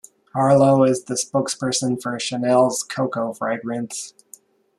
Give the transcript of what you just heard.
Harlow is the spokesperson for Chanel's "Coco" fragrance.